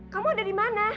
kamu ada di mana